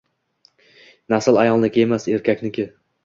Nasl ayolniki emas, erkakniki.